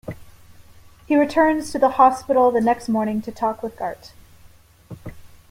He returns to the hospital the next morning to talk with Gart.